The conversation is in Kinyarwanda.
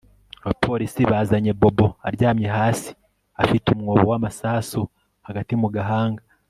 Abapolisi basanze Bobo aryamye hasi afite umwobo wamasasu hagati mu gahanga